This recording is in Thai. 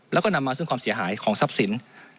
แล้วก็นำมาซึ่งความเสียหายของทรัพย์สิน